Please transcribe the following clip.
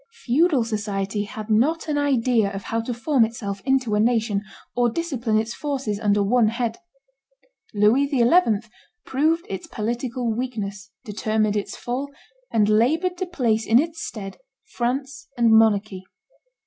Feudal society had not an idea of how to form itself into a nation, or discipline its forces under one head; Louis XI. proved its political weakness, determined its fall, and labored to place in its stead France and monarchy.